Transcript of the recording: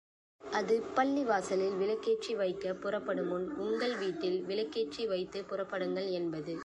அது பள்ளிவாசலில் விளக்கேற்றி வைக்கப் புறப்படு முன் உங்கள் வீட்டில் விளக்கேற்றி வைத்துப் புறப்படுங்கள் என்பது.